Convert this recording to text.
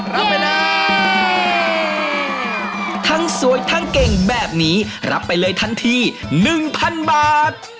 รับไปเลยทั้งสวยทั้งเก่งแบบนี้รับไปเลยทันทีหนึ่งพันบาท